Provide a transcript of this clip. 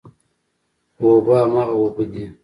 خو اوبه هماغه اوبه دي.